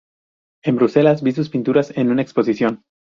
En Bruselas, vi sus pinturas en una exposición.